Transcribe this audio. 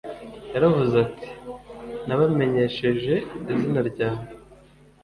yaravuze ati : «Nabamenyesheje izina ryawe».